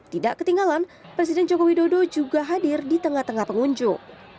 tidak ketinggalan presiden joko widodo juga hadir di tengah tengah pengunjung